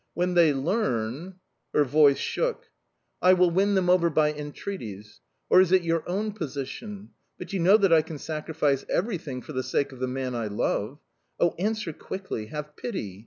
When they learn"... Her voice shook. "I will win them over by entreaties. Or, is it your own position?... But you know that I can sacrifice everything for the sake of the man I love... Oh, answer quickly have pity...